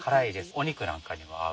お肉なんかにも合う。